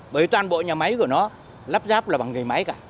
bởi toàn bộ nhà máy của nó lắp ráp là bằng nghề máy cả